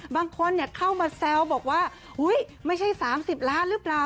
บางคนเนี่ยเข้ามาแซวบอกว่าอุ้ยไม่ใช่สามสิบล้านหรือเปล่า